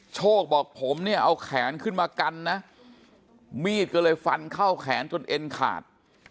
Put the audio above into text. โชคบอกผมเนี่ยเอาแขนขึ้นมากันนะมีดก็เลยฟันเข้าแขนจนเอ็นขาด